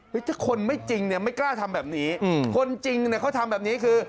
ถ้าคนไม่จริงเนี่ยไม่กล้าทำแบบนี้คนจริงเนี่ยเขาทำแบบนี้คือ